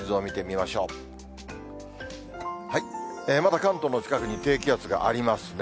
まだ関東の近くに低気圧がありますね。